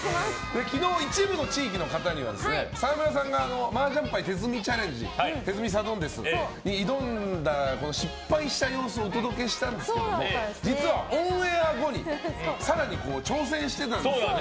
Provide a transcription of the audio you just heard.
昨日、一部の地域の方には沢村さんが麻雀牌手積みサドンデスに挑んで失敗した様子をお届けしたんですが実は、オンエア後に更に挑戦してたんですよね。